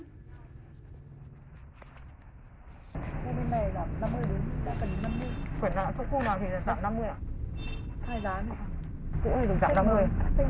sách này giảm giá hơn ba mươi đến năm mươi